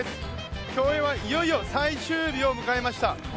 競泳はいよいよ最終日を迎えました。